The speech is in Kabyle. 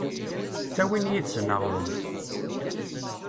Ttawin yid-sen aɣrum…